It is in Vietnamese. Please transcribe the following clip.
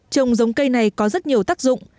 trồng giống cây này có rất nhiều tác dụng